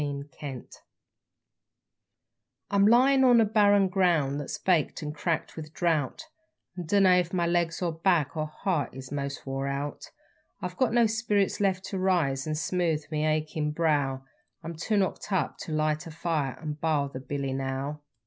Knocked Up I'm lyin' on the barren ground that's baked and cracked with drought, And dunno if my legs or back or heart is most wore out; I've got no spirits left to rise and smooth me achin' brow I'm too knocked up to light a fire and bile the billy now.